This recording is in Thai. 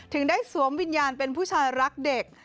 ถึงได้สวมวิญญาณเป็นผู้ชายรักเด็ก